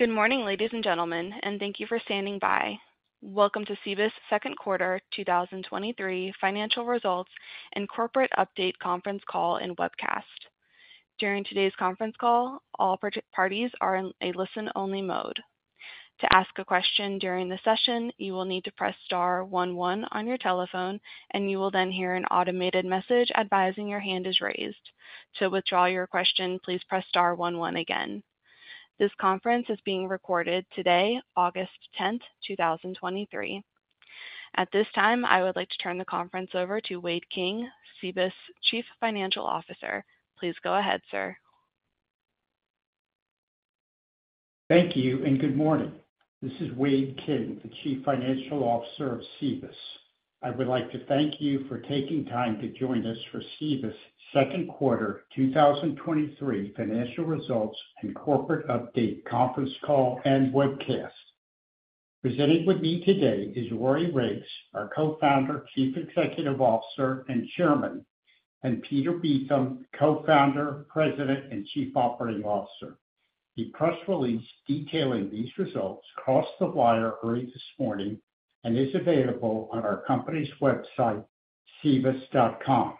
Good morning, ladies and gentlemen, thank you for standing by. Welcome to Cibus 2nd Quarter 2023 Financial Results and Corporate Update Conference Call and Webcast. During today's conference call, all parties are in a listen-only mode. To ask a question during the session, you will need to press star one one on your telephone, and you will then hear an automated message advising your hand is raised. To withdraw your question, please press star one one again. This conference is being recorded today, August 10th, 2023. At this time, I would like to turn the conference over to Wade King, Cibus Chief Financial Officer. Please go ahead, sir. Thank you and good morning. This is Wade King, the Chief Financial Officer of Cibus. I would like to thank you for taking time to join us for Cibus 2nd quarter 2023 financial results and corporate update conference call and webcast. Presenting with me today is Rory Riggs, our Co-founder, Chief Executive Officer, and Chairman, and Peter Beetham, Co-founder, President, and Chief Operating Officer. The press release detailing these results crossed the wire early this morning and is available on our company's website, cibus.com.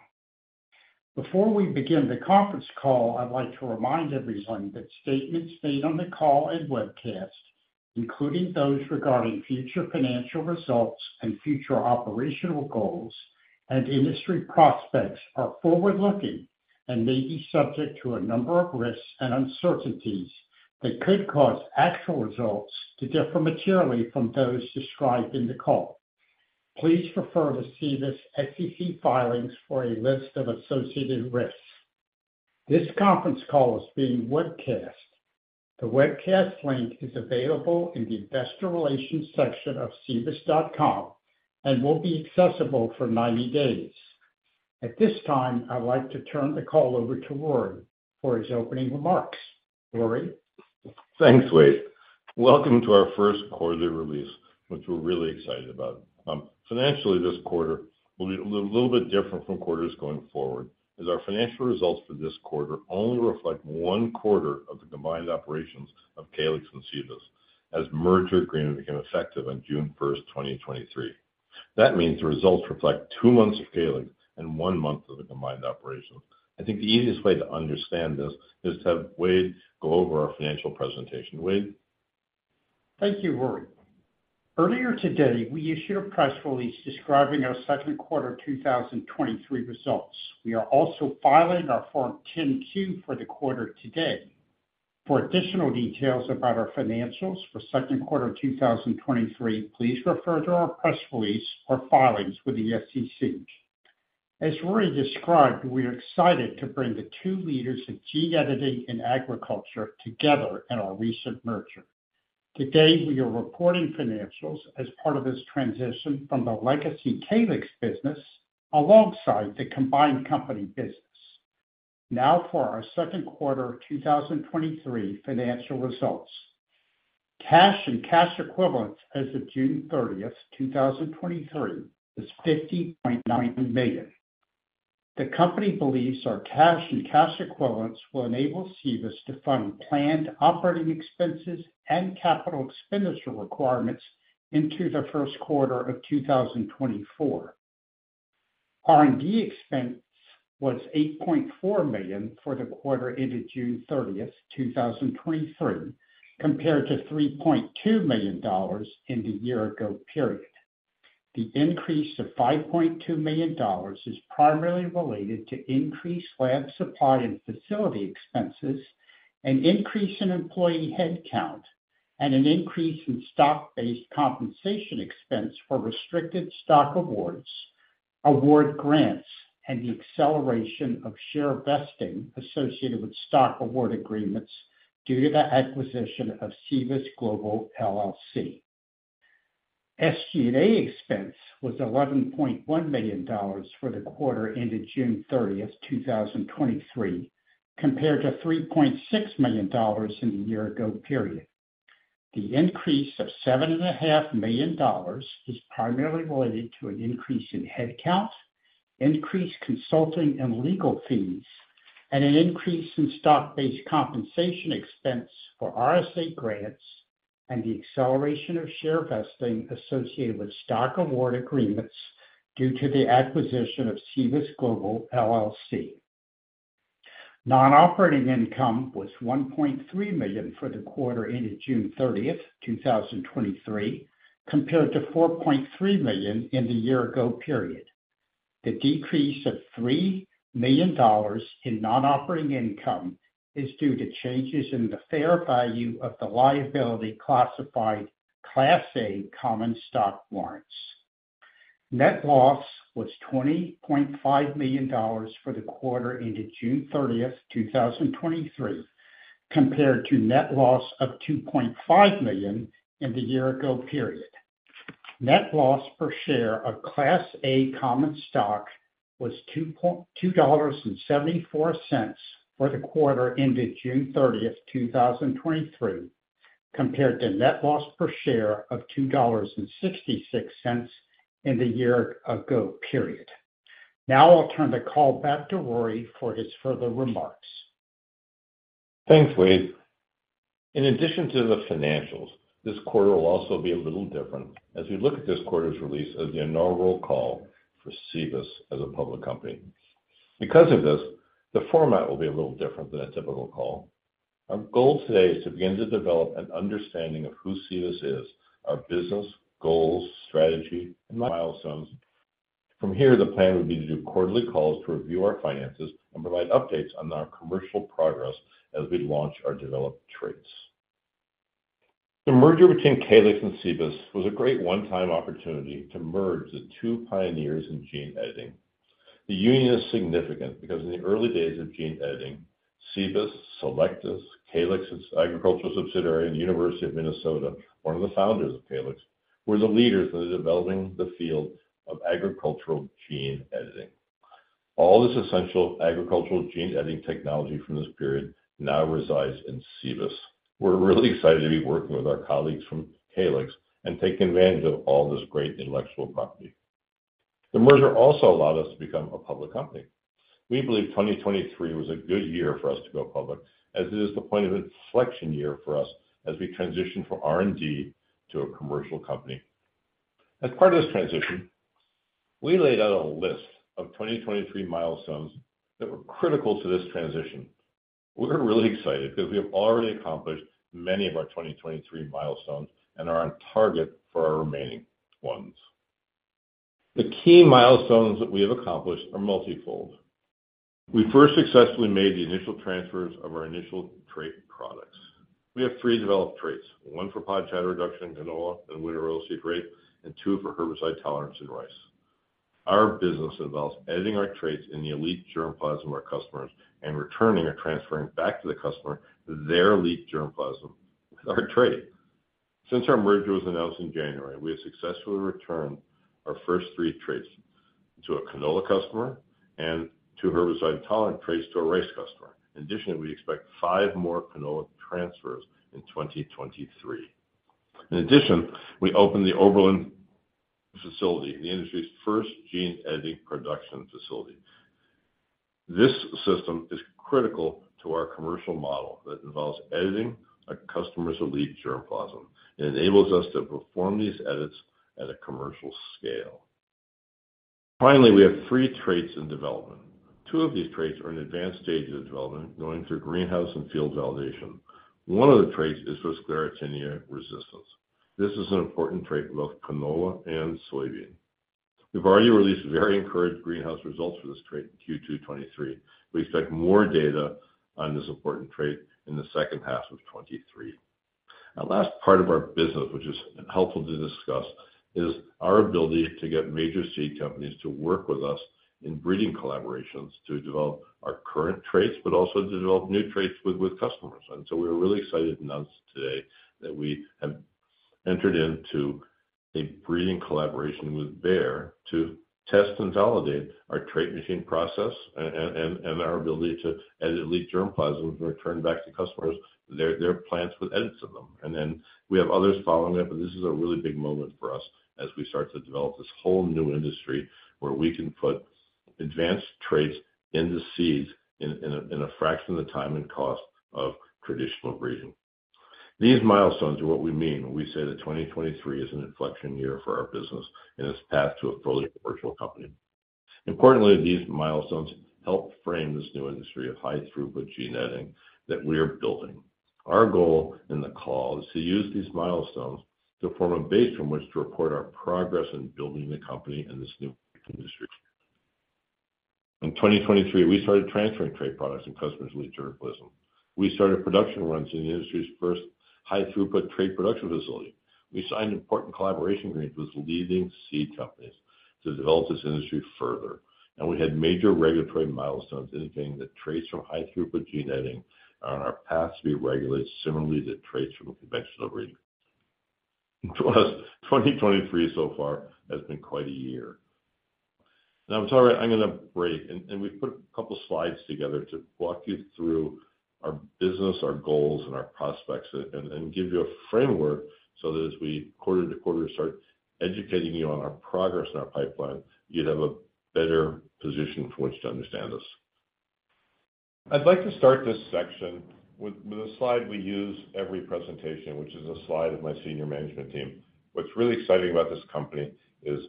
Before we begin the conference call, I'd like to remind everyone that statements made on the call and webcast, including those regarding future financial results and future operational goals and industry prospects, are forward-looking and may be subject to a number of risks and uncertainties that could cause actual results to differ materially from those described in the call. Please refer to Cibus SEC filings for a list of associated risks. This conference call is being webcast. The webcast link is available in the Investor Relations section of cibus.com and will be accessible for 90 days. At this time, I'd like to turn the call over to Rory for his opening remarks. Rory? Thanks, Wade. Welcome to our 1st quarterly release, which we're really excited about. Financially, this quarter will be a little bit different from quarters going forward, as our financial results for this quarter only reflect one quarter of the combined operations of Calyxt and Cibus, as merger agreement became effective on June 1, 2023. That means the results reflect two months of Calyxt and one month of the combined operation. I think the easiest way to understand this is to have Wade go over our financial presentation. Wade? Thank you, Rory. Earlier today, we issued a press release describing our 2Q 2023 results. We are also filing our Form 10-Q for the quarter today. For additional details about our financials for 2Q 2023, please refer to our press release or filings with the SEC. As Rory described, we are excited to bring the two leaders in gene editing and agriculture together in our recent merger. Today, we are reporting financials as part of this transition from the legacy Calyxt business alongside the combined company business. Now for our 2Q 2023 financial results. Cash and cash equivalents as of June 30th, 2023, is $50.9 million. The company believes our cash and cash equivalents will enable Cibus to fund planned operating expenses and capital expenditure requirements into the 1Q 2024. R&D expense was $8.4 million for the quarter ended June 30, 2023, compared to $3.2 million in the year ago period. The increase of $5.2 million is primarily related to increased lab supply and facility expenses, an increase in employee headcount, and an increase in stock-based compensation expense for restricted stock awards, award grants, and the acceleration of share vesting associated with stock award agreements due to the acquisition of Cibus Global, LLC. SG&A expense was $11.1 million for the quarter ended June 30, 2023, compared to $3.6 million in the year ago period. The increase of $7.5 million is primarily related to an increase in headcount, increased consulting and legal fees, and an increase in stock-based compensation expense for RSA grants and the acceleration of share vesting associated with stock award agreements due to the acquisition of Cibus Global, LLC. Non-operating income was $1.3 million for the quarter ended June 30, 2023, compared to $4.3 million in the year ago period. The decrease of $3 million in non-operating income is due to changes in the fair value of the liability classified Class A common stock warrants. Net loss was $20.5 million for the quarter ended June 30, 2023, compared to net loss of $2.5 million in the year ago period. Net loss per share of Class A common stock was $2.74 for the quarter ended June 30, 2023, compared to net loss per share of $2.66 in the year ago period. Now I'll turn the call back to Rory for his further remarks. Thanks, Wade. In addition to the financials, this quarter will also be a little different as we look at this quarter's release as the inaugural call for Cibus as a public company. Because of this, the format will be a little different than a typical call. Our goal today is to begin to develop an understanding of who Cibus is, our business, goals, strategy, and milestones. From here, the plan would be to do quarterly calls to review our finances and provide updates on our commercial progress as we launch our developed traits. The merger between Calyxt and Cibus was a great one-time opportunity to merge the two pioneers in gene editing. The union is significant because in the early days of gene editing, Cibus, Cellectis, Calyxt's agricultural subsidiary, and the University of Minnesota, one of the founders of Calyxt, were the leaders in developing the field of agricultural gene editing. All this essential agricultural gene editing technology from this period now resides in Cibus. We're really excited to be working with our colleagues from Calyxt and taking advantage of all this great intellectual property. The merger also allowed us to become a public company. We believe 2023 was a good year for us to go public, as it is the point of inflection year for us as we transition from R&D to a commercial company. As part of this transition, we laid out a list of 2023 milestones that were critical to this transition. We're really excited because we have already accomplished many of our 2023 milestones and are on target for our remaining ones. The key milestones that we have accomplished are multifold. We 1st successfully made the initial transfers of our initial trait products. We have three developed traits, one for pod shatter reduction in canola and winter oilseed rape, and two for herbicide tolerance in rice. Our business involves editing our traits in the elite germplasm of our customers and returning or transferring back to the customer their elite germplasm with our trait. Since our merger was announced in January, we have successfully returned our 1st three traits to a canola customer and two herbicide-tolerant traits to a rice customer. We expect five more canola transfers in 2023. We opened the Oberlin facility, the industry's 1st gene editing production facility. This system is critical to our commercial model that involves editing a customer's elite germplasm. It enables us to perform these edits at a commercial scale. Finally, we have three traits in development. Two of these traits are in advanced stages of development, going through greenhouse and field validation. One of the traits is for Sclerotinia resistance. This is an important trait for both canola and soybean. We've already released very encouraged greenhouse results for this trait in Q2 2023. We expect more data on this important trait in the 2nd half of 2023. Our last part of our business, which is helpful to discuss, is our ability to get major seed companies to work with us in breeding collaborations to develop our current traits, but also to develop new traits with, with customers. We're really excited to announce today that we have entered into a breeding collaboration with Bayer to test and validate our trait machine process and our ability to edit elite germplasm and return back to customers their plants with edits in them. We have others following up, and this is a really big moment for us as we start to develop this whole new industry where we can put advanced traits into seeds in a fraction of the time and cost of traditional breeding. These milestones are what we mean when we say that 2023 is an inflection year for our business and its path to a fully virtual company. Importantly, these milestones help frame this new industry of high-throughput gene editing that we are building. Our goal in the call is to use these milestones to form a base from which to report our progress in building the company and this new industry. In 2023, we started transferring trait products in customers' elite germplasm. We started production runs in the industry's 1st high-throughput trait production facility. We signed important collaboration agreements with leading seed companies to develop this industry further, and we had major regulatory milestones indicating that traits from high-throughput gene editing are on our path to be regulated similarly to traits from a conventional breeding. 2023 so far has been quite a year. I'm sorry, I'm going to break, and we've put a couple slides together to walk you through our business, our goals, and our prospects, and give you a framework so that as we quarter-to-quarter start educating you on our progress and our pipeline, you'd have a better position from which to understand this. I'd like to start this section with a slide we use every presentation, which is a slide of my senior management team. What's really exciting about this company is,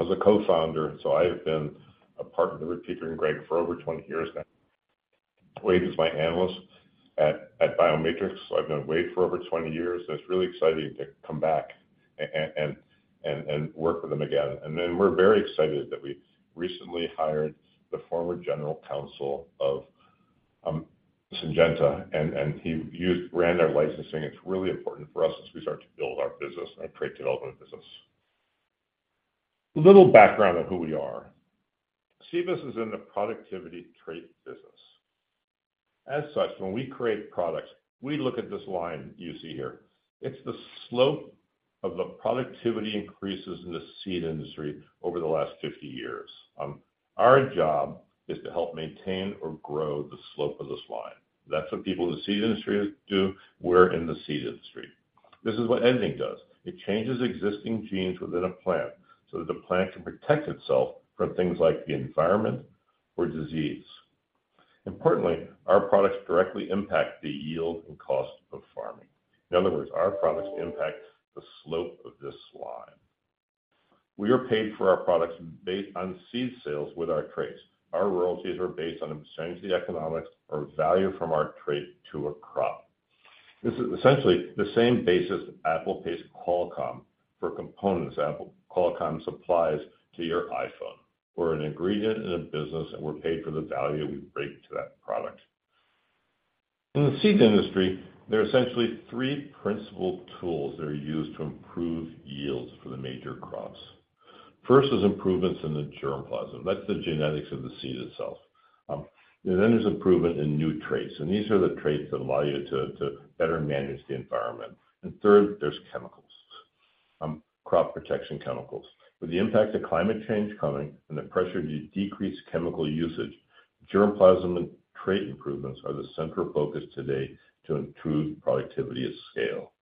as a co-founder, I have been a partner with Peter and Greg for over 20 years now. Wade is my analyst at BioMatrix, I've known Wade for over 20 years, and it's really exciting to come back and work with him again. We're very excited that we recently hired the former general counsel of Syngenta, and he ran our licensing. It's really important for us as we start to build our business, our trait development business. A little background on who we are. Cibus is in the productivity trait business. As such, when we create products, we look at this line you see here. It's the slope of the productivity increases in the seed industry over the last 50 years. Our job is to help maintain or grow the slope of this line. That's what people in the seed industry do. We're in the seed industry. This is what editing does. It changes existing genes within a plant, so that the plant can protect itself from things like the environment or disease. Importantly, our products directly impact the yield and cost of farming. In other words, our products impact the slope of this slide. We are paid for our products based on seed sales with our traits. Our royalties are based on the economics or value from our trait to a crop. This is essentially the same basis Apple pays Qualcomm for components Apple Qualcomm supplies to your iPhone, or an ingredient in a business, and we're paid for the value we bring to that product. In the seed industry, there are essentially three principal tools that are used to improve yields for the major crops. 1st, is improvements in the germplasm. That's the genetics of the seed itself. And then there's improvement in new traits, and these are the traits that allow you to, to better manage the environment. And 3rd, there's chemicals, crop protection chemicals. With the impact of climate change coming and the pressure to decrease chemical usage, germplasm and trait improvements are the central focus today to improve productivity at scale.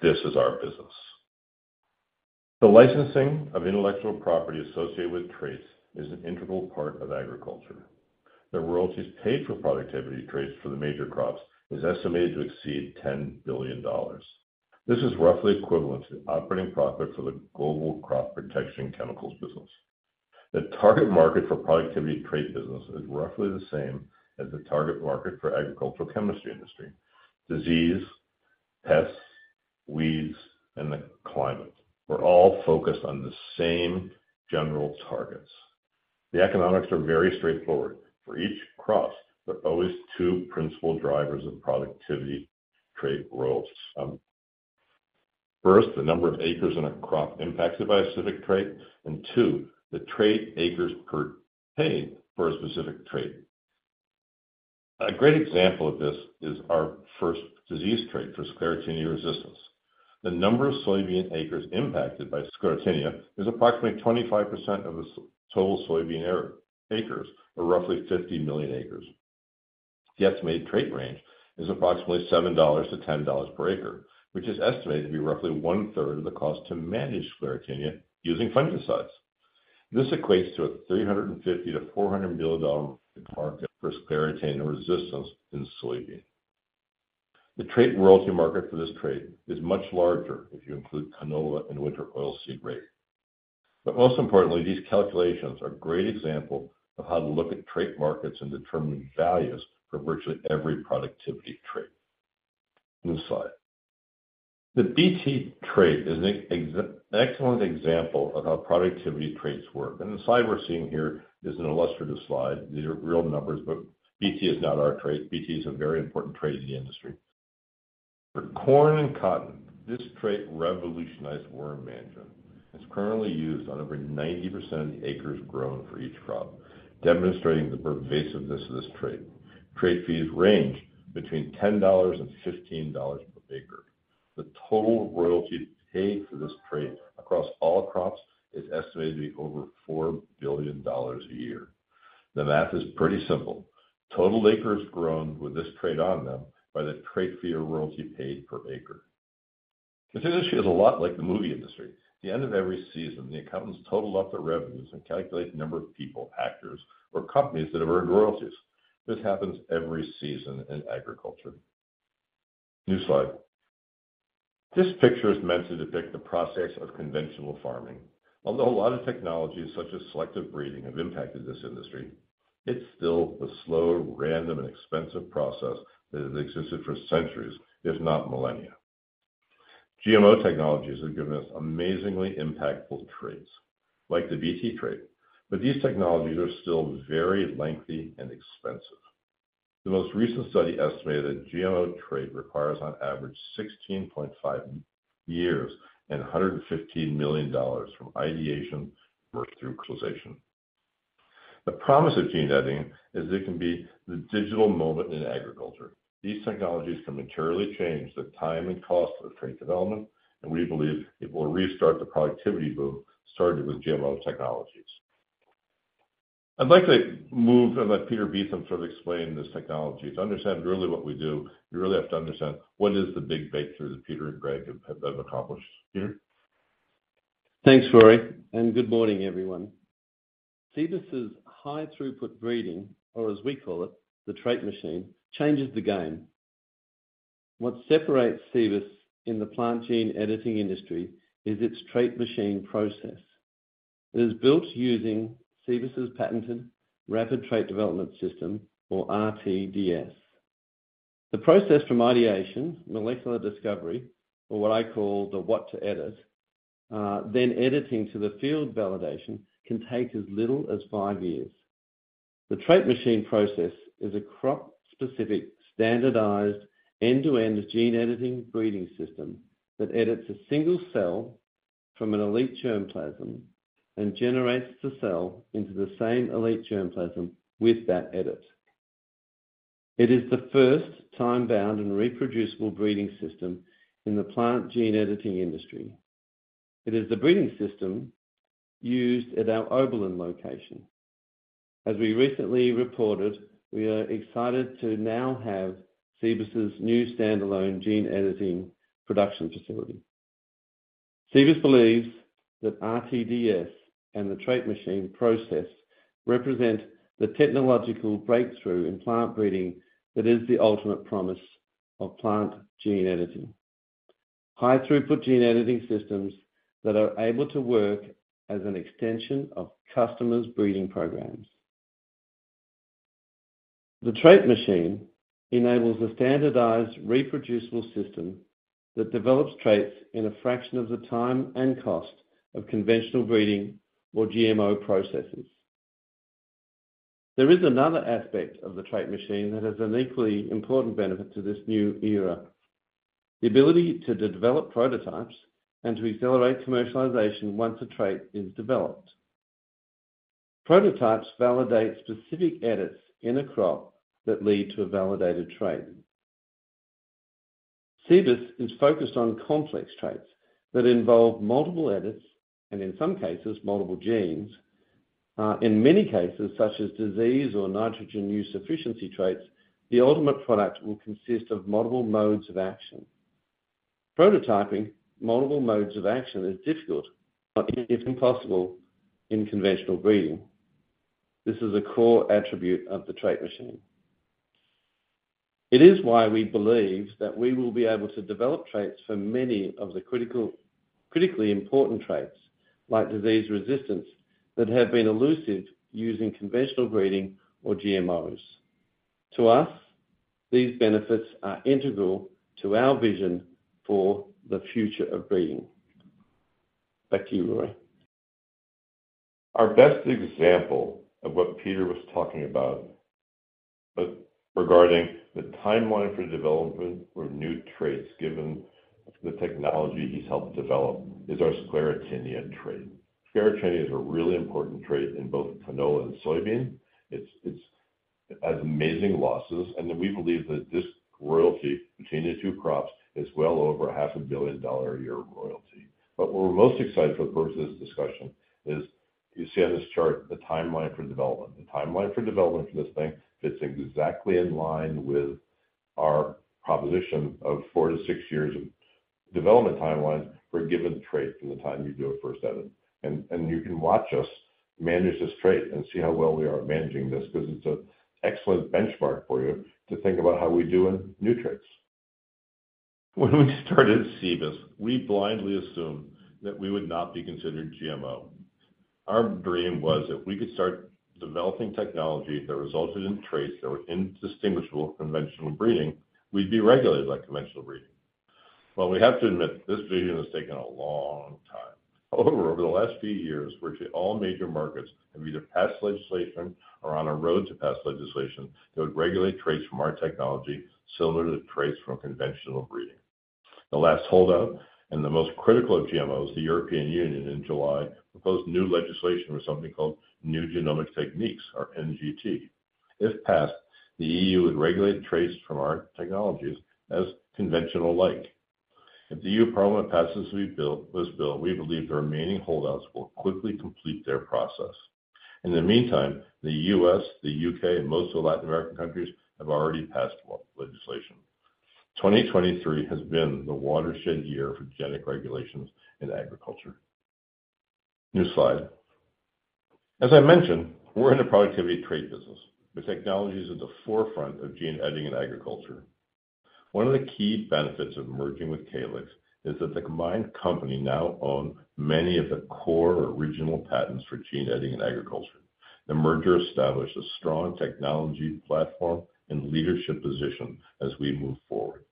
This is our business. The licensing of intellectual property associated with traits is an integral part of agriculture. The royalties paid for productivity traits for the major crops is estimated to exceed $10 billion. This is roughly equivalent to operating profit for the global crop protection chemicals business. The target market for productivity trait business is roughly the same as the target market for agricultural chemistry industry: disease, pests, weeds, and the climate. We're all focused on the same general targets. The economics are very straightforward. For each crop, there are always two principal drivers of productivity trait growth. 1st, the number of acres in a crop impacted by a specific trait, and two, the trait acres per paid for a specific trait. A great example of this is our 1st disease trait for Sclerotinia resistance. The number of soybean acres impacted by Sclerotinia is approximately 25% of the total soybean acres, or roughly 50 million acres. The estimated trait range is approximately $7-10 per acre, which is estimated to be roughly one-3rd of the cost to manage Sclerotinia using fungicides. This equates to a $350 million-400 million market for Sclerotinia resistance in soybean. The trait royalty market for this trait is much larger if you include canola and winter oilseed rape. Most importantly, these calculations are a great example of how to look at trait markets and determine values for virtually every productivity trait. New slide. The Bt trait is an excellent example of how productivity traits work, and the slide we're seeing here is an illustrative slide. These are real numbers, but Bt is not our trait. Bt is a very important trait in the industry. For corn and cotton, this trait revolutionized worm management and is currently used on over 90% of the acres grown for each crop, demonstrating the pervasiveness of this trait. Trait fees range between $10-15 per acre. The total royalty paid for this trait across all crops is estimated to be over $4 billion a year. The math is pretty simple. Total acres grown with this trait on them by the trait fee or royalty paid per acre. This industry is a lot like the movie industry. At the end of every season, the accountants total up the revenues and calculate the number of people, actors, or companies that have earned royalties. This happens every season in agriculture. New slide. This picture is meant to depict the process of conventional farming. Although a lot of technologies, such as selective breeding, have impacted this industry, it's still the slow, random, and expensive process that has existed for centuries, if not millennia. GMO technologies have given us amazingly impactful traits, like the Bt trait. These technologies are still very lengthy and expensive. The most recent study estimated that GMO trait requires on average 16.5 years and $115 million from ideation work through commercialization. The promise of gene editing is it can be the digital moment in agriculture. These technologies can materially change the time and cost of trait development, and we believe it will restart the productivity boom started with GMO technologies. I'd like to move and let Peter Beetham sort of explain this technology. To understand really what we do, you really have to understand what is the big breakthrough that Peter and Wade have accomplished. Peter? Thanks, Rory, and good morning, everyone. Cibus' high-throughput breeding, or as we call it, the Trait Machine, changes the game. What separates Cibus in the plant gene editing industry is its Trait Machine process. It is built using Cibus's patented Rapid Trait Development System, or RTDS. The process from ideation, molecular discovery, or what I call the what to edit, then editing to the field validation, can take as little as five years. The Trait Machine process is a crop-specific, standardized, end-to-end gene editing breeding system that edits a single cell from an elite germplasm and generates the cell into the same elite germplasm with that edit. It is the 1st time-bound and reproducible breeding system in the plant gene editing industry. It is the breeding system used at our Oberlin location. As we recently reported, we are excited to now have Cibus' new standalone gene editing production facility. Cibus believes that RTDS and the Trait Machine process represent the technological breakthrough in plant breeding that is the ultimate promise of plant gene editing. High-throughput gene editing systems that are able to work as an extension of customers' breeding programs. The Trait Machine enables a standardized, reproducible system that develops traits in a fraction of the time and cost of conventional breeding or GMO processes. There is another aspect of the Trait Machine that is an equally important benefit to this new era: the ability to develop prototypes and to accelerate commercialization once a trait is developed. Prototypes validate specific edits in a crop that lead to a validated trait. Cibus is focused on complex traits that involve multiple edits, and in some cases, multiple genes. In many cases, such as disease or nitrogen use efficiency traits, the ultimate product will consist of multiple modes of action. Prototyping multiple modes of action is difficult, if impossible, in conventional breeding. This is a core attribute of the Trait Machine. It is why we believe that we will be able to develop traits for many of the critically important traits, like disease resistance, that have been elusive using conventional breeding or GMOs. To us, these benefits are integral to our vision for the future of breeding. Back to you, Rory. Our best example of what Peter was talking about regarding the timeline for development of new traits, given the technology he's helped develop, is our Sclerotinia trait. Sclerotinia is a really important trait in both canola and soybean. It has amazing losses, and we believe that this royalty between the two crops is well over a $500 million a year royalty. What we're most excited for the purpose of this discussion is, you see on this chart the timeline for development. The timeline for development for this thing fits exactly in line with our proposition of four to six years of development timelines for a given trait from the time you do a 1st edit. You can watch us manage this trait and see how well we are at managing this, because it's an excellent benchmark for you to think about how we're doing new traits. When we started Cibus, we blindly assumed that we would not be considered GMO. Our dream was if we could start developing technology that resulted in traits that were indistinguishable from conventional breeding, we'd be regulated like conventional breeding. Well, we have to admit, this vision has taken a long time. However, over the last few years, virtually all major markets have either passed legislation or are on a road to pass legislation that would regulate traits from our technology similar to traits from conventional breeding. The last holdout and the most critical of GMOs, the European Union, in July, proposed new legislation for something called New Genomic Techniques, or NGT. If passed, the EU would regulate traits from our technologies as conventional-like. If the E.U. parliament passes this bill, this bill, we believe the remaining holdouts will quickly complete their process. In the meantime, the U.S., the U.K., and most of the Latin American countries have already passed legislation. 2023 has been the watershed year for genetic regulations in agriculture. New slide. As I mentioned, we're in the productivity trait business, with technologies at the forefront of gene editing in agriculture. One of the key benefits of merging with Calyxt is that the combined company now own many of the core original patents for gene editing in agriculture. The merger established a strong technology platform and leadership position as we move forward.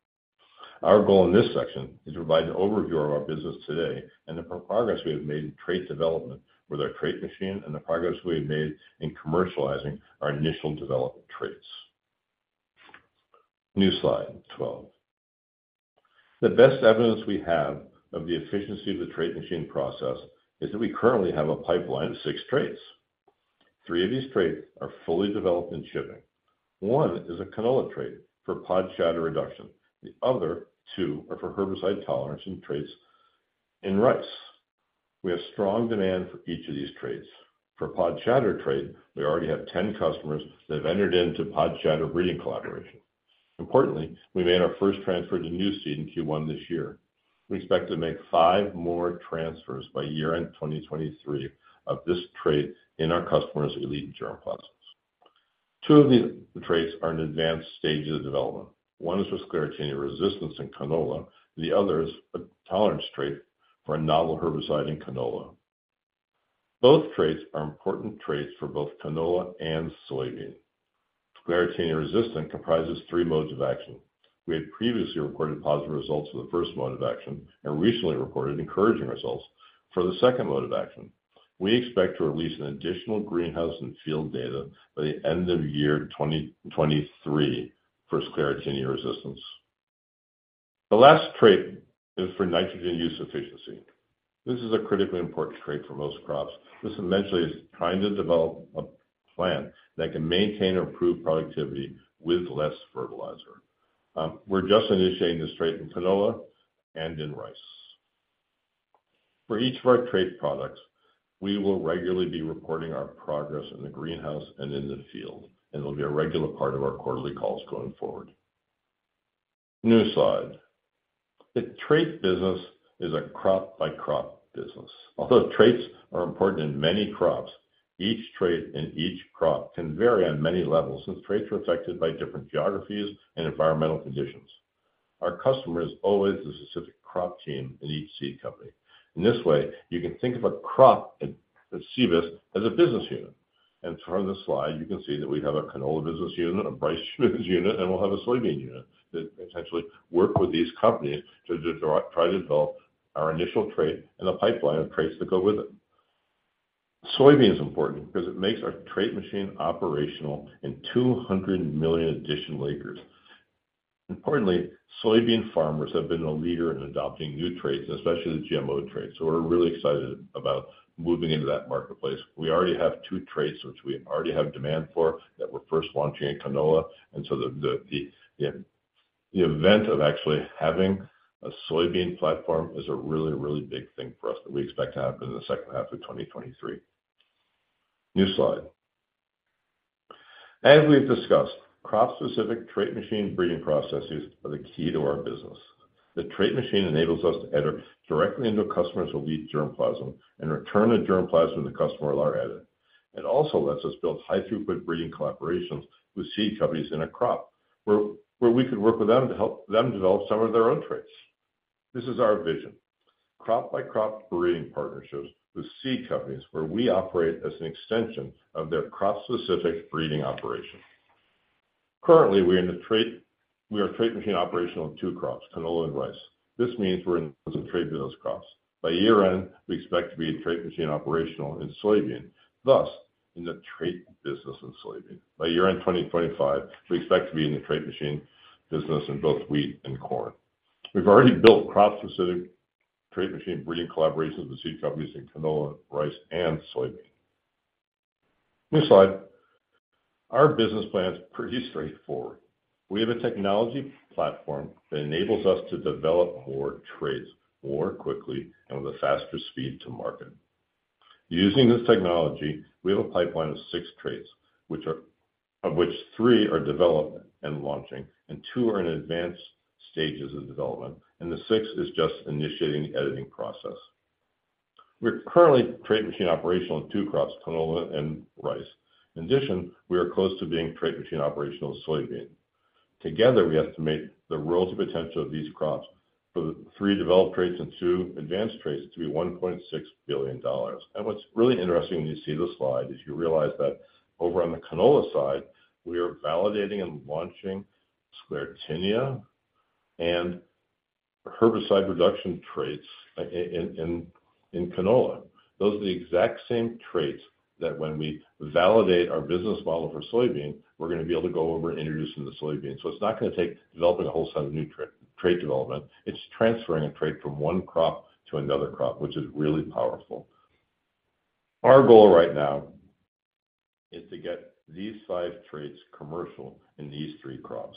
Our goal in this section is to provide an overview of our business today, and the progress we have made in trait development with our Trait Machine, and the progress we have made in commercializing our initial development traits. New slide, 12. The best evidence we have of the efficiency of the Trait Machine process is that we currently have a pipeline of six traits. Three of these traits are fully developed and shipping. One is a canola trait for pod shatter reduction. The other two are for herbicide tolerance and traits in rice. We have strong demand for each of these traits. For pod shatter trait, we already have 10 customers that have entered into pod shatter breeding collaboration. Importantly, we made our 1st transfer to Nuseed in Q1 this year. We expect to make five more transfers by year-end 2023 of this trait in our customers' elite germplasms. Two of these traits are in advanced stages of development. One is for Sclerotinia resistance in canola, the other is a tolerance trait for a novel herbicide in canola. Both traits are important traits for both canola and soybean. Sclerotinia resistant comprises three modes of action. We had previously reported positive results for the 1st mode of action, and recently reported encouraging results for the 2nd mode of action. We expect to release an additional greenhouse and field data by the end of year 2023 for Sclerotinia resistance. The last trait is for nitrogen use efficiency. This is a critically important trait for most crops. This eventually is trying to develop a plant that can maintain or improve productivity with less fertilizer. We're just initiating this trait in canola and in rice. For each of our trait products, we will regularly be reporting our progress in the greenhouse and in the field, and it'll be a regular part of our quarterly calls going forward. New slide. The trait business is a crop-by-crop business. Although traits are important in many crops, each trait in each crop can vary on many levels, since traits are affected by different geographies and environmental conditions. Our customer is always a specific crop team in each seed company. In this way, you can think of a crop at, at Cibus as a business unit. From this slide, you can see that we have a canola business unit, a rice business unit, and we'll have a soybean unit that potentially work with these companies to just try to develop our initial trait and a pipeline of traits that go with it. Soybean is important because it makes our Trait Machine operational in 200 million additional acres. Importantly, soybean farmers have been a leader in adopting new traits, especially the GMO traits, so we're really excited about moving into that marketplace. We already have two traits, which we already have demand for, that we're 1st launching in canola, and so the event of actually having a soybean platform is a really, really big thing for us that we expect to happen in the 2nd half of 2023. New slide. As we've discussed, crop-specific Trait Machine breeding processes are the key to our business. The Trait Machine enables us to edit directly into a customer's elite germplasm and return the germplasm to the customer with our edit. It also lets us build high-throughput breeding collaborations with seed companies in a crop, where we can work with them to help them develop some of their own traits. This is our vision: crop-by-crop breeding partnerships with seed companies, where we operate as an extension of their crop-specific breeding operation. Currently, we are Trait Machine operational in two crops, canola and rice. This means we're in the trait business crops. By year-end, we expect to be Trait Machine operational in soybean, thus, in the trait business in soybean. By year-end 2025, we expect to be in the Trait Machine business in both wheat and corn. We've already built crop-specific Trait Machine breeding collaborations with seed companies in canola, rice, and soybean. New slide. Our business plan is pretty straightforward. We have a technology platform that enables us to develop more traits more quickly and with a faster speed to market. Using this technology, we have a pipeline of six traits, of which three are development and launching, and two are in advanced stages of development, and the sixth is just initiating the editing process. We're currently Trait Machine operational in two crops, canola and rice. In addition, we are close to being Trait Machine operational in soybean. Together, we estimate the relative potential of these crops for the three developed traits and two advanced traits to be $1.6 billion. What's really interesting when you see this slide, is you realize that over on the canola side, we are validating and launching Sclerotinia and herbicide reduction traits in canola. Those are the exact same traits that when we validate our business model for soybean, we're going to be able to go over and introduce them to soybean. It's not going to take developing a whole set of new trait development. It's transferring a trait from one crop to another crop, which is really powerful. Our goal right now is to get these five traits commercial in these three crops,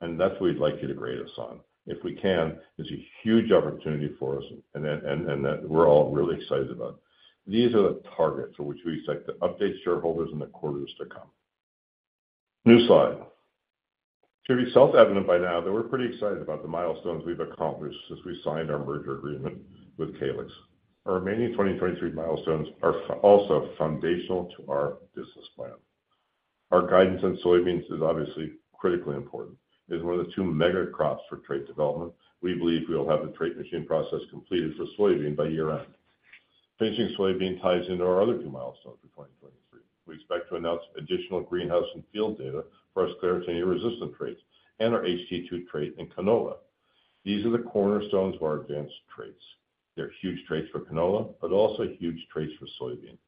and that's what we'd like you to grade us on. If we can, it's a huge opportunity for us and that we're all really excited about. These are the targets for which we expect to update shareholders in the quarters to come. New slide. It should be self-evident by now that we're pretty excited about the milestones we've accomplished since we signed our merger agreement with Calyxt. Our remaining 2023 milestones are also foundational to our business plan. Our guidance on soybeans is obviously critically important. It's one of the two mega crops for trait development. We believe we'll have the Trait Machine process completed for soybean by year-end. Finishing soybean ties into our other two milestones for 2023. We expect to announce additional greenhouse and field data for our sclerotinia-resistant traits and our HT2 trait in canola. These are the cornerstones of our advanced traits. They're huge traits for canola, but also huge traits for soybean.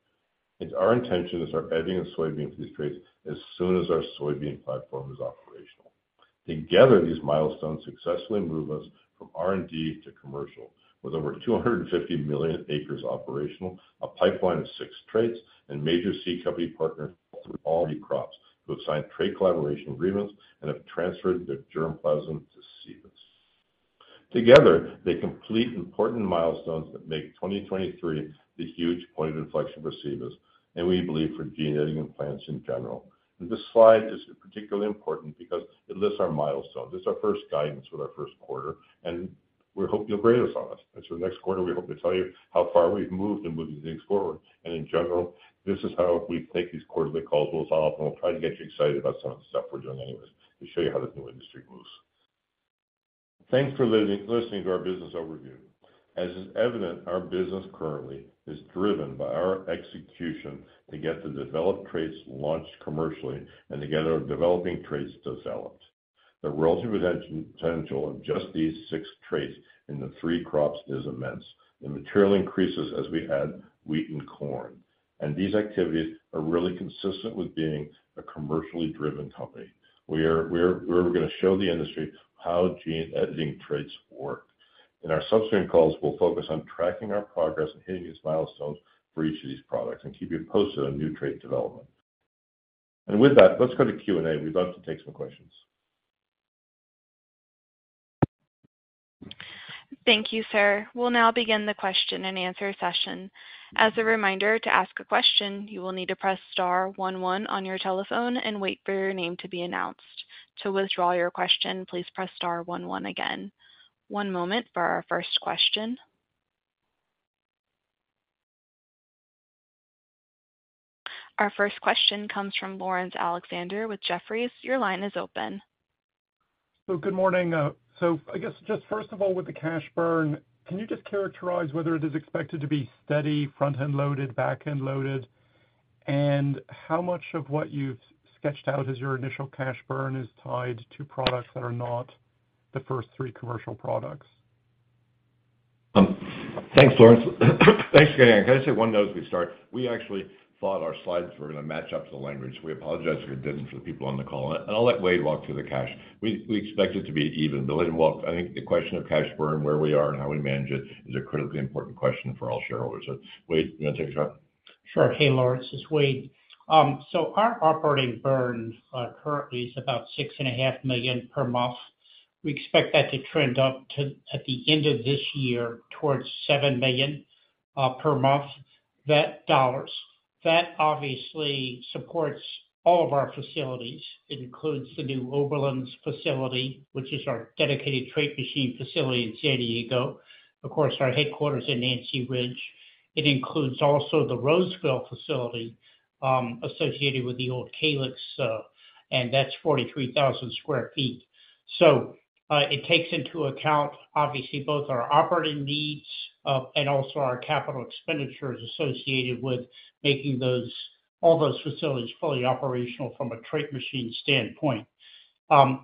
It's our intention to start editing in soybean for these traits as soon as our soybean platform is operational. Together, these milestones successfully move us from R&D to commercial, with over 250 million acres operational, a pipeline of six traits, and major seed company partners across all three crops, who have signed trait collaboration agreements and have transferred their germplasm to Cibus. Together, they complete important milestones that make 2023 the huge point of inflection for Cibus, and we believe for gene editing in plants in general. This slide is particularly important because it lists our milestones. This is our 1st guidance with our 1st quarter, and we hope you'll grade us on this. Next quarter, we hope to tell you how far we've moved in moving things forward. In general, this is how we think these quarterly calls will solve, and we'll try to get you excited about some of the stuff we're doing anyways, to show you how this new industry moves. Thanks for listening to our business overview. As is evident, our business currently is driven by our execution to get the developed traits launched commercially and to get our developing traits developed. The relative potential of just these six traits in the three crops is immense, and materially increases as we add wheat and corn, and these activities are really consistent with being a commercially driven company. We're going to show the industry how gene editing traits work. In our subsequent calls, we'll focus on tracking our progress and hitting these milestones for each of these products and keep you posted on new trait development. With that, let's go to Q&A. We'd love to take some questions. Thank you, sir. We'll now begin the question and answer session. As a reminder, to ask a question, you will need to press star one, one on your telephone and wait for your name to be announced. To withdraw your question, please press star one, one again. One moment for our 1st question. Our 1st question comes from Laurence Alexander with Jefferies. Your line is open. Good morning. I guess just 1st of all, with the cash burn, can you just characterize whether it is expected to be steady, front-end loaded, back-end loaded? How much of what you've sketched out as your initial cash burn is tied to products that are not the 1st three commercial products? Thanks, Laurence. Thanks again. Can I say one note as we start? We actually thought our slides were going to match up to the language. We apologize if it didn't for the people on the call, and I'll let Wade walk through the cash. We, we expect it to be even. Let him walk... I think the question of cash burn, where we are and how we manage it, is a critically important question for all shareholders. Wade, you want to take a shot? Sure. Hey, Lawrence, it's Wade. Our operating burn currently is about $6.5 million per month. We expect that to trend up to, at the end of this year, towards $7 million per month, that dollars. That obviously supports all of our facilities. It includes the new Oberlin facility, which is our dedicated Trait Machine facility in San Diego. Of course, our headquarters in Nancy Ridge. It includes also the Roseville facility, associated with the old Calyxt, and that's 43,000 sq ft. It takes into account, obviously, both our operating needs, and also our capital expenditures associated with making those, all those facilities fully operational from a Trait Machine standpoint.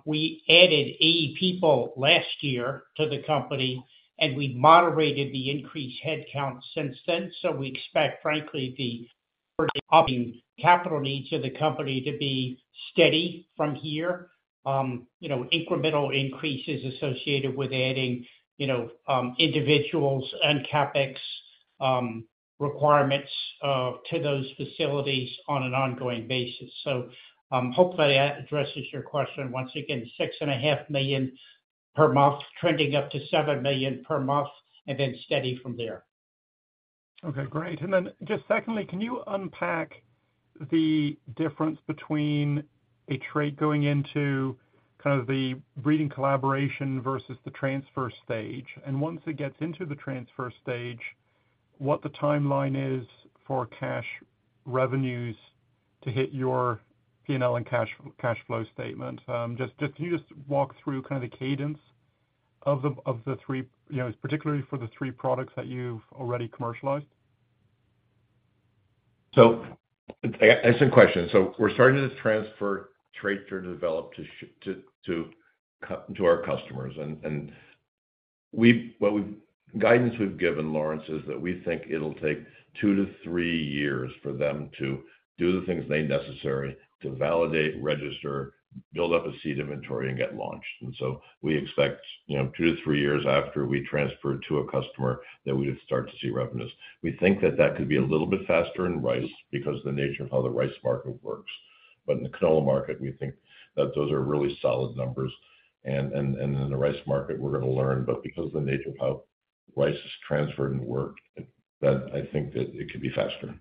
We added 80 people last year to the company, we moderated the increased headcount since then. We expect, frankly, the operating capital needs of the company to be steady from here. you know, incremental increases associated with adding, you know, individuals and CapEx requirements to those facilities on an ongoing basis. Hopefully that addresses your question. Once again, $6.5 million per month, trending up to $7 million per month, and then steady from there. Okay, great. Just 2ndly, can you unpack the difference between a trait going into kind of the breeding collaboration versus the transfer stage? Once it gets into the transfer stage, what the timeline is for cash revenues to hit your P&L and cash, cash flow statement? Can you just walk through kind of the cadence of the, of the three, you know, particularly for the three products that you've already commercialized? Excellent question. We're starting to transfer trait to develop to our customers. What we've, guidance we've given, Laurence, is that we think it'll take two to three years for them to do the things they necessary to validate, register, build up a seed inventory, and get launched. We expect, you know, two to three years after we transfer to a customer, that we'd start to see revenues. We think that that could be a little bit faster in rice because of the nature of how the rice market works. In the canola market, we think that those are really solid numbers. In the rice market, we're going to learn, but because of the nature of how rice is transferred and worked, that I think that it could be faster.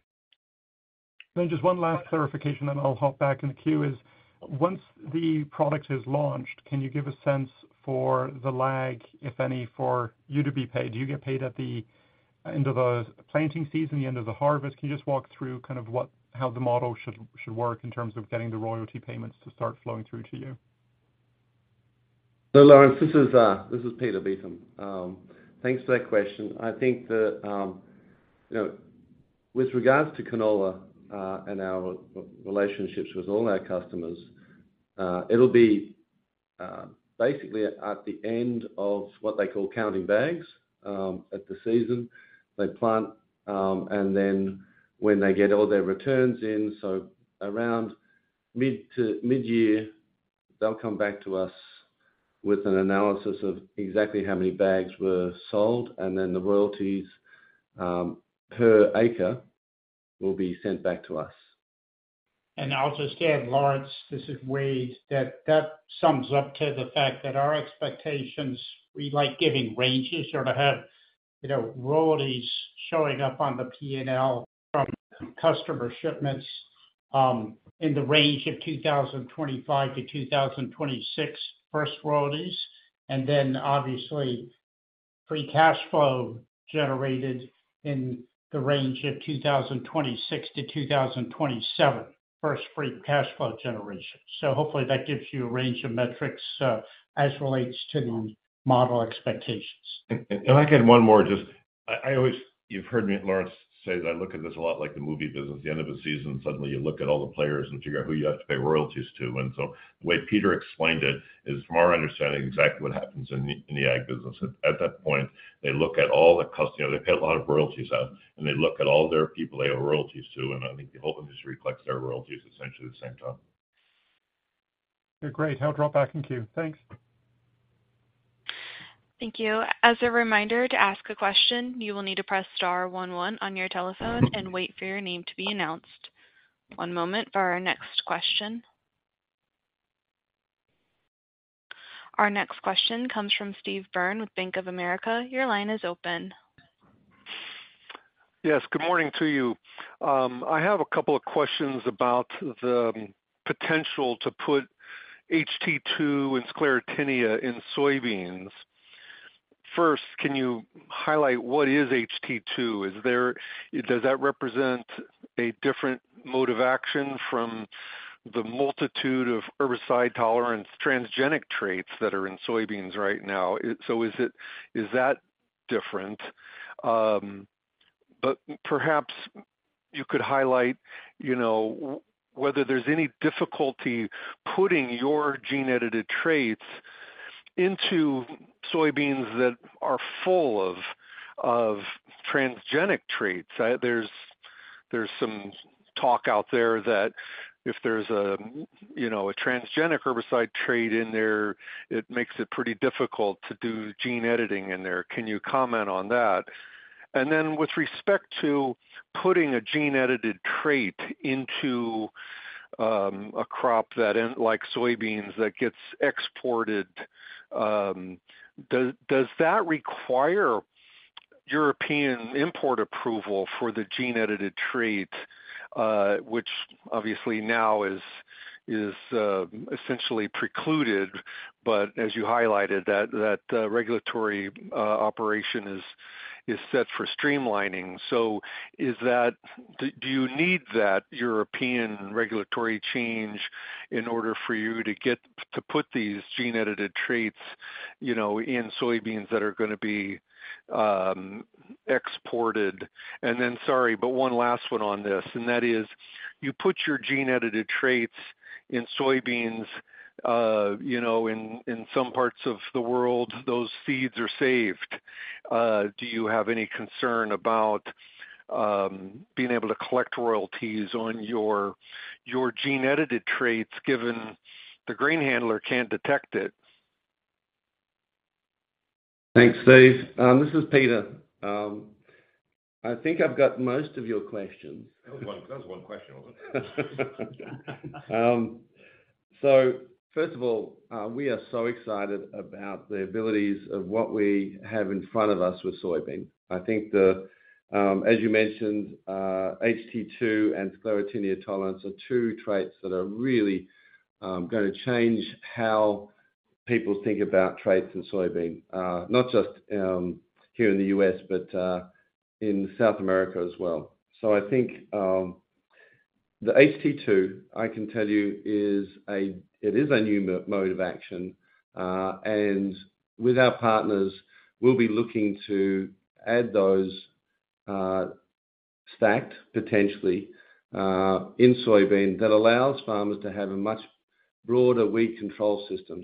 Just one last clarification, and I'll hop back in the queue, is once the product is launched, can you give a sense for the lag, if any, for you to be paid? Do you get paid at the end of the planting season, the end of the harvest? Can you just walk through kind of how the model should, should work in terms of getting the royalty payments to start flowing through to you? Lawrence, this is, this is Peter Beetham. Thanks for that question. I think that, you know, with regards to canola, and our relationships with all our customers, it'll be basically at the end of what they call counting bags, at the season. They plant, and then when they get all their returns in, so around mid to mid-year, they'll come back to us with an analysis of exactly how many bags were sold, and then the royalties, per acre, will be sent back to us. I'll just add, Lawrence, this is Wade, that that sums up to the fact that our expectations, we like giving ranges or to have, you know, royalties showing up on the P&L from customer shipments, in the range of 2025-2026, 1st royalties, and then obviously, free cash flow generated in the range of 2026-2027, 1st free cash flow generation. Hopefully that gives you a range of metrics, as relates to the model expectations. If I can one more, just, I, I always, you've heard me, Lawrence, say that I look at this a lot like the movie business. The end of a season, suddenly you look at all the players and figure out who you have to pay royalties to. The way Peter explained it, is from our understanding, exactly what happens in the, in the ag business. At that point, they look at all the, you know, they pay a lot of royalties out, and they look at all their people they owe royalties to, and I think the whole industry collects their royalties essentially the same time. Okay, great. I'll drop back in queue. Thanks. Thank you. As a reminder, to ask a question, you will need to press star one one on your telephone and wait for your name to be announced. One moment for our next question. Our next question comes from Steve Byrne with Bank of America. Your line is open. Yes, good morning to you. I have a couple of questions about the potential to put HT2 and sclerotinia in soybeans. 1st, can you highlight what is HT2? Does that represent a different mode of action from the multitude of herbicide tolerance transgenic traits that are in soybeans right now? So is it, is that different? Perhaps you could highlight, you know, whether there's any difficulty putting your gene-edited traits into soybeans that are full of, of transgenic traits. There's, there's some talk out there that if there's a, you know, a transgenic herbicide trait in there, it makes it pretty difficult to do gene editing in there. Can you comment on that? With respect to putting a gene-edited trait into a crop that in, like soybeans, that gets exported, does that require European import approval for the gene-edited trait, which obviously now is essentially precluded, but as you highlighted, that regulatory operation is set for streamlining. Is that, do you need that European regulatory change in order for you to get, to put these gene-edited traits, you know, in soybeans that are going to be exported? Sorry, but one last one on this, and that is: You put your gene-edited traits in soybeans, you know, in some parts of the world, those seeds are saved. Do you have any concern about being able to collect royalties on your gene-edited traits, given the grain handler can't detect it? Thanks, Steve. This is Peter. I think I've got most of your questions. That was one, that was one question, wasn't it? 1st of all, we are so excited about the abilities of what we have in front of us with soybean. I think the, as you mentioned, HT2 and Sclerotinia tolerance are two traits that are really going to change how people think about traits in soybean, not just here in the U.S., but in South America as well. I think the HT2, I can tell you, is it is a new mode of action, and with our partners, we'll be looking to add those, stacked, potentially, in soybean that allows farmers to have a much broader weed control system.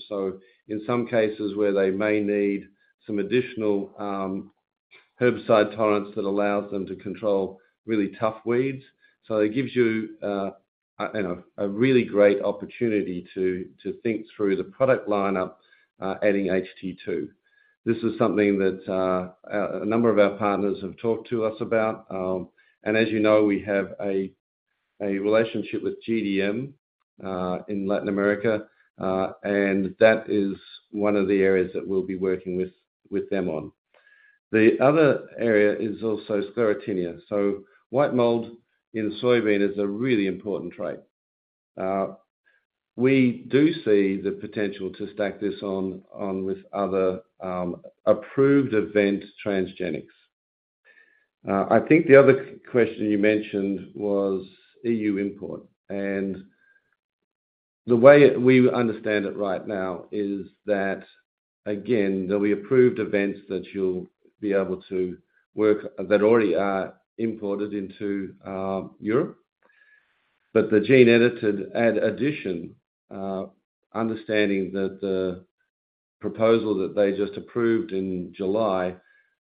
In some cases where they may need some additional, herbicide tolerance that allows them to control really tough weeds. It gives you, you know, a really great opportunity to think through the product lineup, adding HT2. This is something that a number of our partners have talked to us about, as you know, we have a relationship with GDM in Latin America, and that is one of the areas that we'll be working with them on. The other area is also Sclerotinia. White mold in soybean is a really important trait. We do see the potential to stack this on with other approved event transgenics. I think the other question you mentioned was E.U. import, and the way we understand it right now is that, again, there'll be approved events that you'll be able to work, that already are imported into Europe. The gene-edited addition, understanding that the proposal that they just approved in July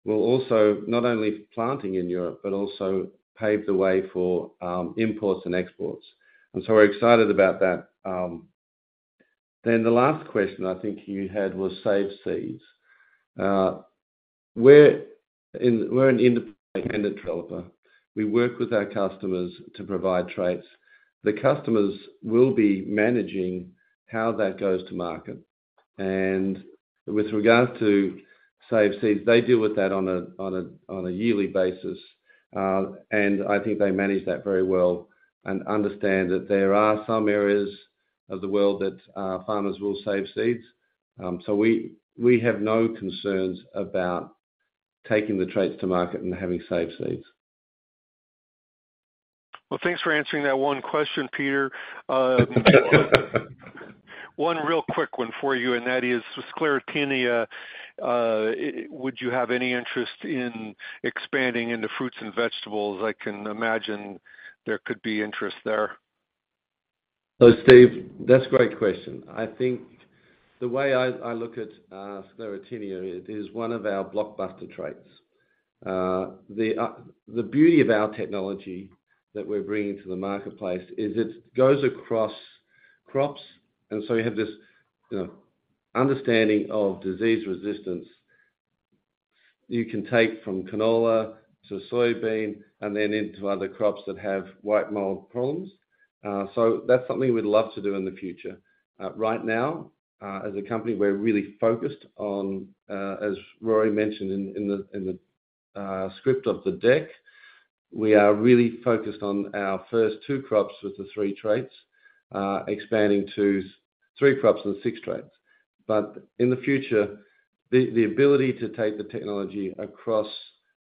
will also not only planting in Europe, but also pave the way for imports and exports. We're excited about that. The last question I think you had was saved seeds. We're an independent developer. We work with our customers to provide traits. The customers will be managing how that goes to market. With regards to saved seeds, they deal with that on a yearly basis, and I think they manage that very well and understand that there are some areas of the world that farmers will save seeds. We, we have no concerns about taking the traits to market and having safe seeds. Well, thanks for answering that one question, Peter. One real quick one for you, and that is with Sclerotinia, would you have any interest in expanding into fruits and vegetables? I can imagine there could be interest there. Steve, that's a great question. I think the way I, I look at Sclerotinia, it is one of our blockbuster traits. The beauty of our technology that we're bringing to the marketplace is it goes across crops, you have this, you know, understanding of disease resistance. You can take from canola to soybean and then into other crops that have white mold problems. That's something we'd love to do in the future. Right now, as a company, we're really focused on, as Rory mentioned in, in the, in the script of the deck, we are really focused on our 1st two crops with the three traits, expanding to three crops and six traits. In the future, the ability to take the technology across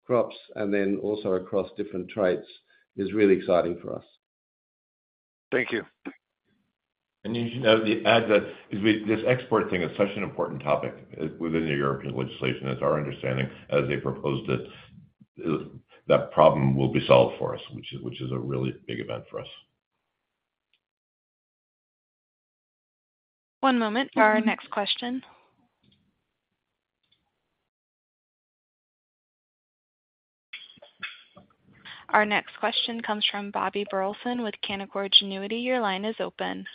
crops and then also across different traits is really exciting for us. Thank you. You should know, with this export thing is such an important topic within the European legislation. It's our understanding as they proposed it, that problem will be solved for us, which is a really big event for us. One moment for our next question. Our next question comes from Bobby Burleson with Canaccord Genuity. Your line is open.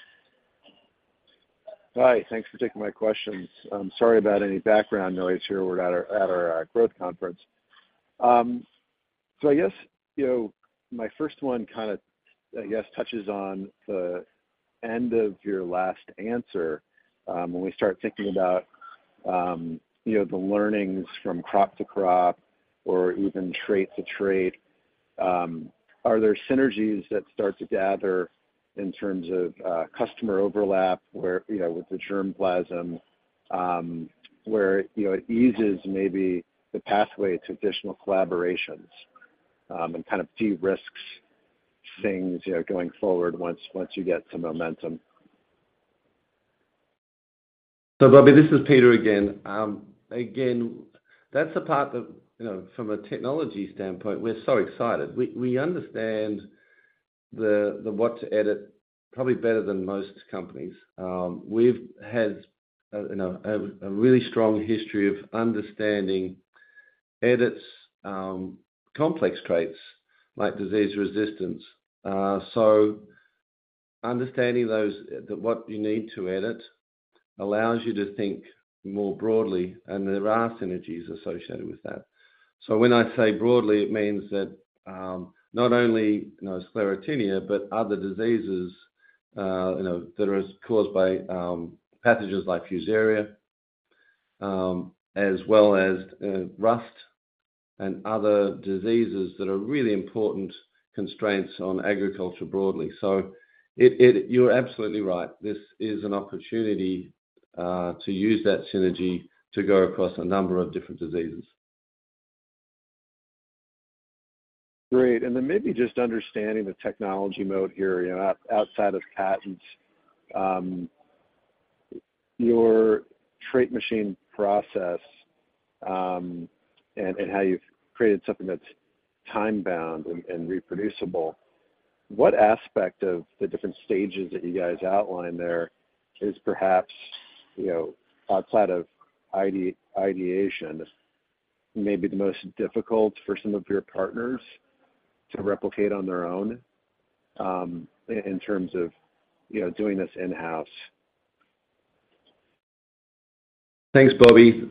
Hi, thanks for taking my questions. Sorry about any background noise here. We're at our, at our growth conference. I guess, you know, my 1st one kind of, I guess, touches on the end of your last answer. When we start thinking about, you know, the learnings from crop to crop or even trait to trait, are there synergies that start to gather in terms of customer overlap, where, you know, with the germplasm, where, you know, it eases maybe the pathway to additional collaborations, and kind of de-risks things, you know, going forward once, once you get some momentum? Bobby, this is Peter again. Again, that's the part that, from a technology standpoint, we're so excited. We, we understand the what to edit, probably better than most companies. We've had a really strong history of understanding edits, complex traits like disease resistance. Understanding those, that what you need to edit, allows you to think more broadly, and there are synergies associated with that. When I say broadly, it means that not only Sclerotinia, but other diseases that are caused by pathogens like Fusarium, as well as rust and other diseases that are really important constraints on agriculture broadly. It, it. You're absolutely right. This is an opportunity to use that synergy to go across a number of different diseases. Great. Then maybe just understanding the technology mode here, you know, out-outside of patents, your Trait Machine process, and, and how you've created something that's time-bound and, and reproducible. What aspect of the different stages that you guys outlined there is perhaps, you know, outside of ideation, maybe the most difficult for some of your partners to replicate on their own, in terms of, you know, doing this in-house? Thanks, Bobby.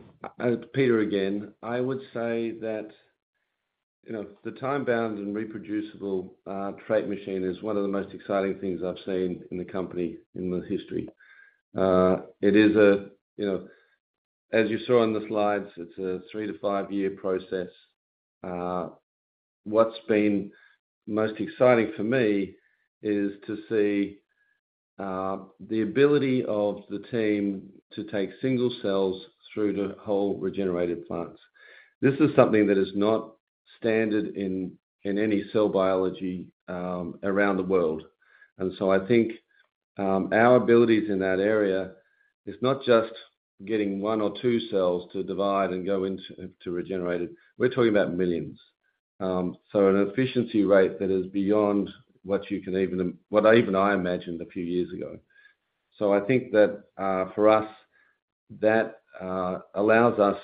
Peter, again. I would say that, you know, the time-bound and reproducible trait machine is one of the most exciting things I've seen in the company in the history. It is a, you know, as you saw on the slides, it's a three to five-year process. What's been most exciting for me is to see the ability of the team to take single cells through to whole regenerated plants. This is something that is not standard in, in any cell biology around the world. I think our abilities in that area is not just getting one or two cells to divide and go into, to regenerate it, we're talking about millions. An efficiency rate that is beyond what you can what even I imagined a few years ago. I think that, for us, that allows us,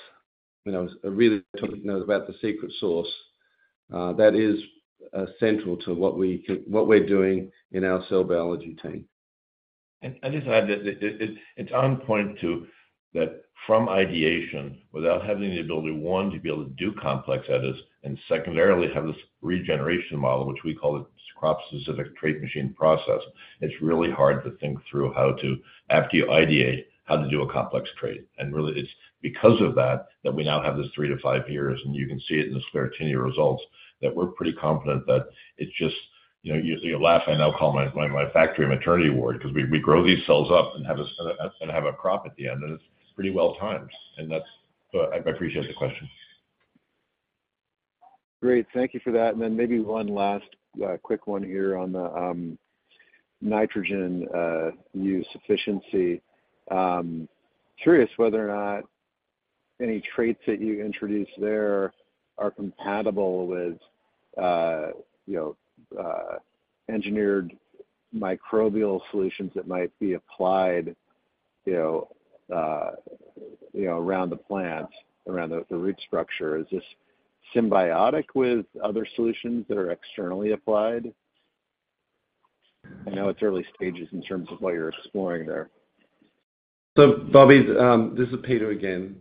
you know, a really about the secret sauce, that is central to what we what we're doing in our cell biology team. Just add that it, it, it's on point to, that from ideation, without having the ability, one, to be able to do complex edits and 2ndarily, have this regeneration model, which we call the crop-specific Trait Machine process, it's really hard to think through how to, after you ideate, how to do a complex trait. Really, it's because of that, that we now have this three to five years, and you can see it in the Sclerotinia results, that we're pretty confident that it's just, you know, you laugh, I now call my, my, my factory maternity ward because we, we grow these cells up and have a crop at the end, and it's pretty well timed. That's. I appreciate the question. Great. Thank you for that. Then maybe one last quick one here on the nitrogen use efficiency. Curious whether or not any traits that you introduce there are compatible with, you know, engineered microbial solutions that might be applied? You know, around the plant, around the root structure. Is this symbiotic with other solutions that are externally applied? I know it's early stages in terms of what you're exploring there. Bobby, this is Peter again.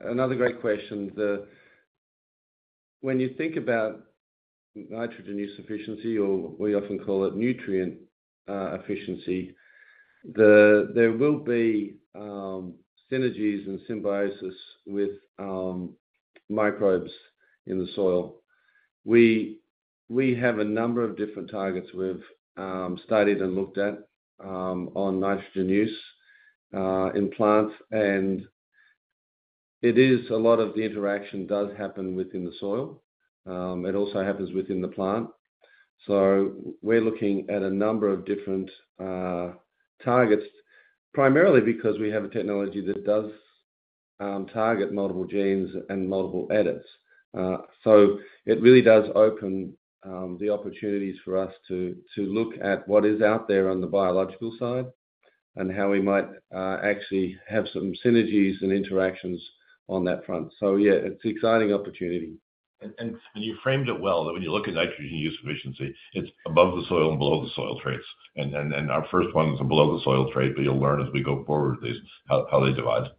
Another great question. When you think about nitrogen use efficiency, or we often call it nutrient efficiency, there will be synergies and symbiosis with microbes in the soil. We, we have a number of different targets we've studied and looked at on nitrogen use in plants, and it is a lot of the interaction does happen within the soil. It also happens within the plant. We're looking at a number of different targets, primarily because we have a technology that does target multiple genes and multiple edits. It really does open the opportunities for us to look at what is out there on the biological side and how we might actually have some synergies and interactions on that front. Yeah, it's an exciting opportunity. You framed it well, that when you look at nitrogen use efficiency, it's above the soil and below the soil traits. Our 1st one is a below the soil trait, but you'll learn as we go forward, this, how they divide.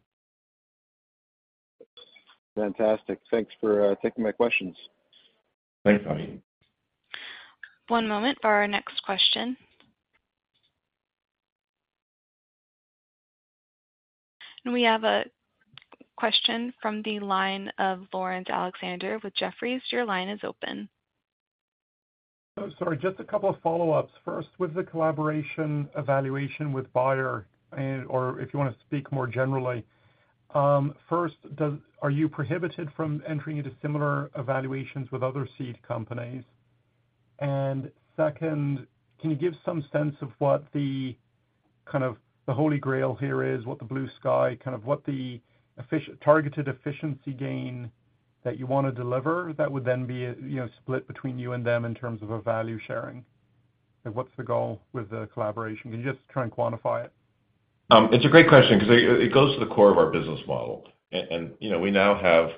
Fantastic. Thanks for taking my questions. Thanks, Rory. One moment for our next question. We have a question from the line of Laurence Alexander with Jefferies. Your line is open. Oh, sorry, just a couple of follow-ups. 1st, with the collaboration evaluation with Bayer, and, or if you want to speak more generally, are you prohibited from entering into similar evaluations with other seed companies? 2nd, can you give some sense of what the kind of the holy grail here is, what the blue sky, kind of what the targeted efficiency gain that you want to deliver, that would then be, you know, split between you and them in terms of a value sharing? What's the goal with the collaboration? Can you just try and quantify it? It's a great question because it, it goes to the core of our business model. You know, we now have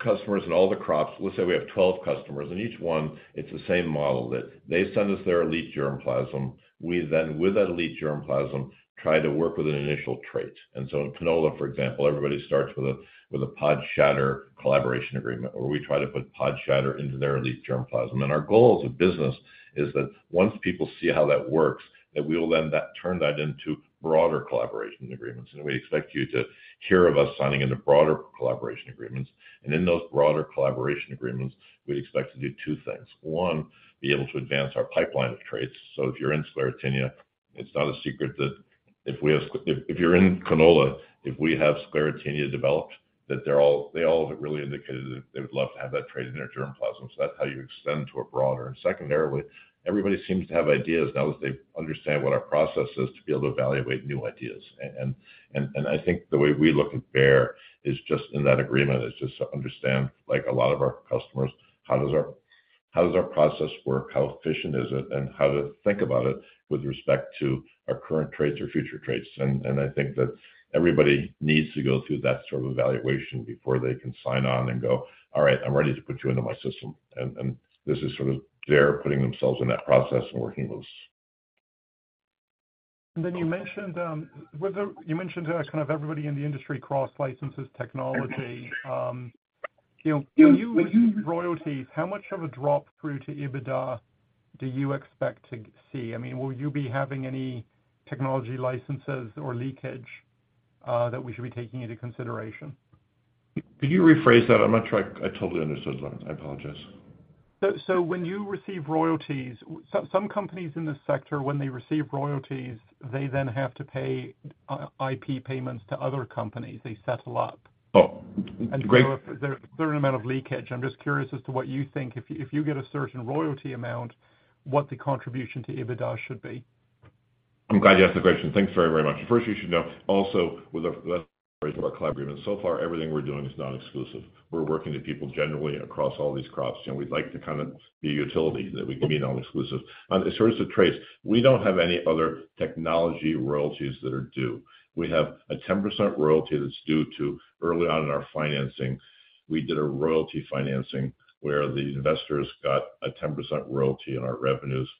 customers in all the crops. Let's say we have 12 customers, and each one, it's the same model, that they send us their elite germplasm. We then, with that elite germplasm, try to work with an initial trait. In canola, for example, everybody starts with a, with a pod shatter collaboration agreement, where we try to put pod shatter into their elite germplasm. Our goal as a business is that once people see how that works, that we will then turn that into broader collaboration agreements. We expect you to hear of us signing into broader collaboration agreements. In those broader collaboration agreements, we expect to do two things. One, be able to advance our pipeline of traits. If you're in Sclerotinia, it's not a secret that if you're in canola, if we have Sclerotinia developed, they all have really indicated that they would love to have that trait in their germplasm. That's how you extend to a broader. 2ndarily, everybody seems to have ideas now that they understand what our process is, to be able to evaluate new ideas. I think the way we look at Bayer is just in that agreement, is just to understand, like a lot of our customers, how does our, how does our process work, how efficient is it, and how to think about it with respect to our current traits or future traits. I think that everybody needs to go through that sort of evaluation before they can sign on and go, "All right, I'm ready to put you into my system." This is sort of they're putting themselves in that process and working with us. Then you mentioned, you mentioned, kind of everybody in the industry cross-licenses technology. You know, when you receive royalties, how much of a drop through to EBITDA do you expect to see? I mean, will you be having any technology licenses or leakage that we should be taking into consideration? Could you rephrase that? I'm not sure I, I totally understood that. I apologize. When you receive royalties, some companies in this sector, when they receive royalties, they then have to pay I-IP payments to other companies. They settle up. Oh, great- There are an amount of leakage. I'm just curious as to what you think, if you get a certain royalty amount, what the contribution to EBITDA should be? I'm glad you asked the question. Thanks very, very much. 1st, you should know also with our, with our collaboration, so far, everything we're doing is non-exclusive. We're working with people generally across all these crops, and we'd like to kind of be a utility, that we can be non-exclusive. In source of traits, we don't have any other technology royalties that are due. We have a 10% royalty that's due to early on in our financing. We did a royalty financing where the investors got a 10% royalty on our revenues,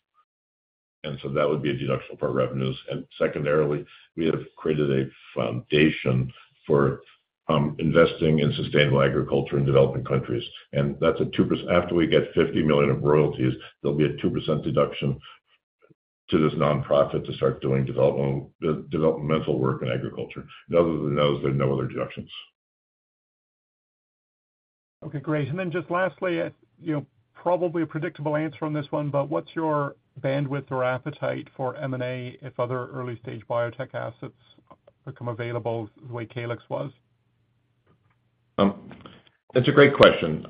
and so that would be a deduction for our revenues. 2ndarily, we have created a foundation for investing in sustainable agriculture in developing countries. That's a 2%. After we get $50 million of royalties, there'll be a 2% deduction to this nonprofit to start doing developmental work in agriculture. Other than those, there are no other deductions. Okay, great. Then just lastly, you know, probably a predictable answer on this one, but what's your bandwidth or appetite for M&A if other early-stage biotech assets become available the way Calyxt was? That's a great question.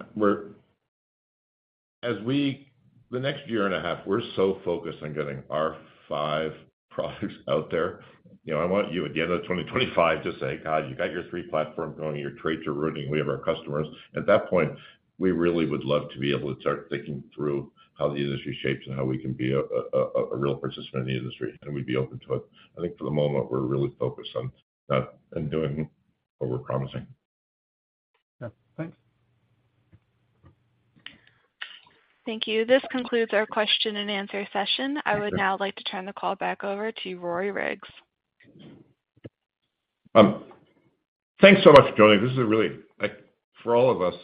As we the next year and a half, we're so focused on getting our five products out there. You know, I want you at the end of 2025 to say, "God, you got your three platforms going, your traits are running, we have our customers." At that point, we really would love to be able to start thinking through how the industry shapes and how we can be a, a, a, a real participant in the industry, and we'd be open to it. I think for the moment, we're really focused on that and doing what we're promising. Yeah. Thanks. Thank you. This concludes our question and answer session. I would now like to turn the call back over to Rory Riggs. Thanks so much for joining. This is a really, like, for all of us,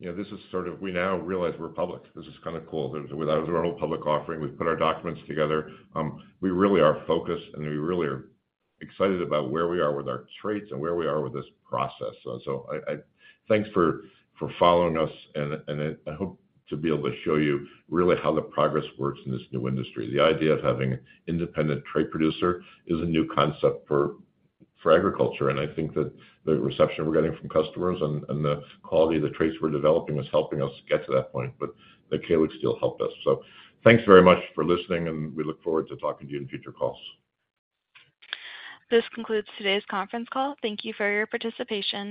you know, this is sort of, we now realize we're public. This is kind of cool. With our whole public offering, we've put our documents together. We really are focused, and we really are excited about where we are with our traits and where we are with this process. Thanks for, for following us, and, and I, I hope to be able to show you really how the progress works in this new industry. The idea of having independent trait producer is a new concept for, for agriculture, and I think that the reception we're getting from customers and, and the quality of the traits we're developing is helping us get to that point, but the Calyxt still helped us. Thanks very much for listening, and we look forward to talking to you in future calls. This concludes today's conference call. Thank you for your participation.